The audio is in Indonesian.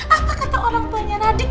apa kata orang tua nyara adik